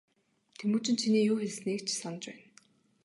Тэмүжин чиний юу хэлснийг ч санаж байна.